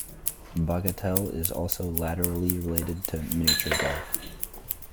Bagatelle is also laterally related to miniature golf.